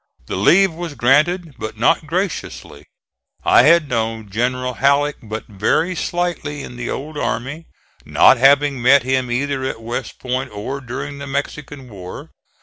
The leave was granted, but not graciously. I had known General Halleck but very slightly in the old army, not having met him either at West Point or during the Mexican war.